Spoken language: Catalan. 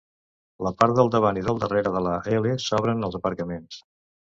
La part del davant i del darrere de la L s'obren als aparcaments.